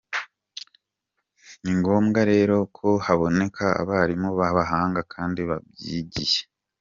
Ni ngombwa rero ko haboneka abarimu b’abahanga kandi babyigiye”.